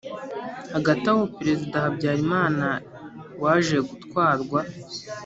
hagati aho, perezida habyarimana, waje gutwarwa